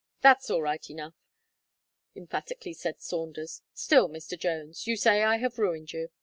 "That's all right enough," emphatically said Saunders; "still, Mr. Jones, you say I have ruined you.